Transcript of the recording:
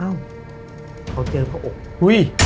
อ้าวเขาเจอพระอบ